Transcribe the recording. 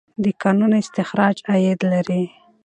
د کانونو استخراج عاید لري.